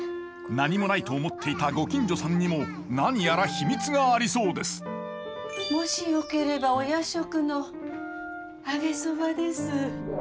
何もないと思っていたご近所さんにも何やら秘密がありそうですもしよければお夜食の揚げそばです。